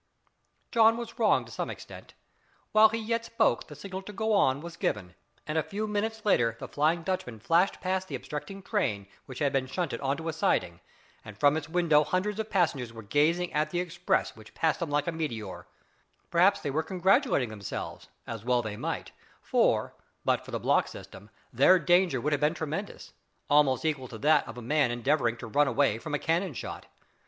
John was wrong to some extent. While he yet spoke the signal to go on was given, and a few minutes later the "Flying Dutchman" flashed past the obstructing train, which had been shunted on to a siding, and from its windows hundreds of passengers were gazing at the express which passed them like a meteor perhaps they were congratulating themselves, as well they might, for, but for the "block system," their danger would have been tremendous; almost equal to that of a man endeavouring to run away from a cannon shot.